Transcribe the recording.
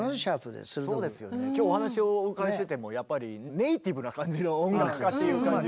今日お話をお伺いしててもやっぱりネーティブな感じの音楽家っていう感じの。